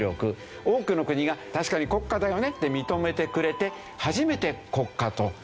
多くの国が確かに国家だよねって認めてくれて初めて国家となるという事なんですよね。